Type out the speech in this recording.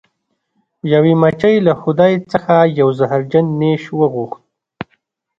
یوې مچۍ له خدای څخه یو زهرجن نیش وغوښت.